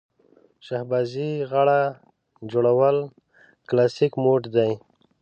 شهبازي غاړه جوړول کلاسیک موډ دی.